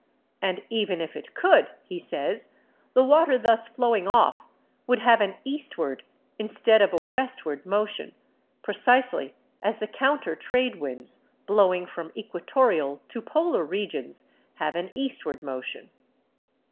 And even if it could, he says, the water thus flowing off would have an eastward instead of a westward motion, precisely as the counter trade winds, blowing from equatorial to polar regions, have an eastward motion.